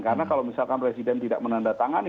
karena kalau misalkan presiden tidak menandatangani